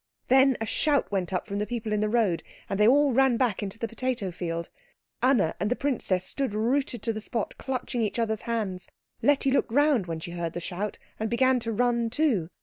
Then a shout went up from the people in the road, and they all ran back into the potato field. Anna and the princess stood rooted to the spot, clutching each other's hands. Letty looked round when she heard the shout, and began to run too.